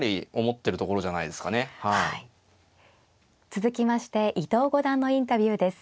続きまして伊藤五段のインタビューです。